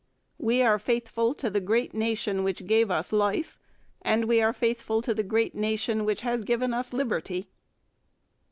We are faithful to the great nation which gave us life, and we are faithful to the great nation which has given us liberty!'